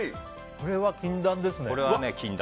これは禁断ですね。